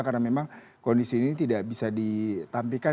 karena memang kondisi ini tidak bisa ditampikan